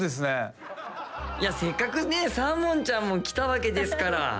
いやせっかくねサーモンちゃんも来たわけですから。